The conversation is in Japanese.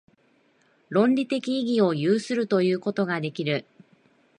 倫理的意義を有するということができる。